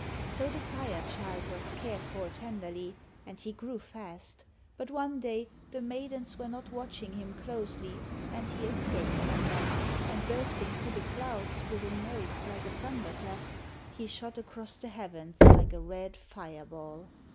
So the Fire child was cared for tenderly, and he grew fast; but one day the maidens were not watching him closely, and he escaped from them, and bursting through the clouds with a noise like a thunder clap, he shot across the heavens like a red fire ball.